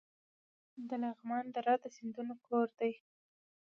د لغمان دره د سیندونو کور دی